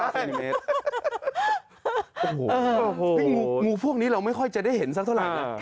โอ้โหซึ่งงูพวกนี้เราไม่ค่อยจะได้เห็นสักเท่าไหร่นะ